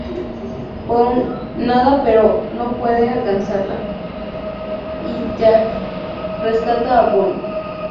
Boone nada pero no puede alcanzarla, y Jack rescata a Boone.